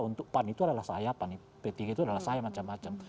untuk pan itu adalah saya pan p tiga itu adalah saya macam macam